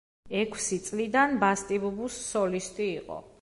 ექვსი წლიდან ბასტი-ბუბუს სოლისტი იყო.